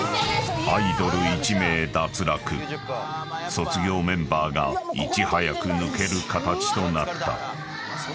［卒業メンバーがいち早く抜ける形となった］